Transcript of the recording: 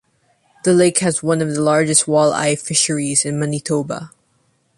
The lake has one of the largest walleye fisheries in Manitoba.